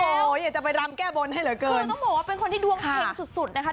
โอ้โหอยากจะไปรำแก้บนให้เหลือเกินคือต้องบอกว่าเป็นคนที่ดวงเห็งสุดสุดนะคะ